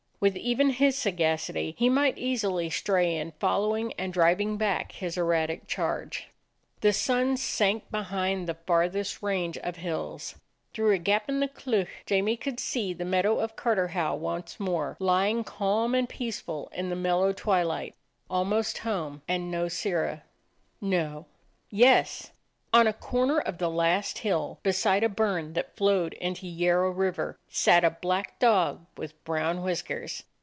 With even his sagacity, he might easily stray in following and driving back his erratic charge. The sun sank behind the farthest range of hills. Through a gap in the cleuch Jamie could see the meadow of Carterhaugh once 82 A DOG OF THE ETTRICK HILLS more, lying calm and peaceful in the mellow twilight. Almost home, and no Sirrah. No? Yes. On a corner of the last hill, beside a burn that flowed into Yarrow Water, sat a black dog with brown whiskers.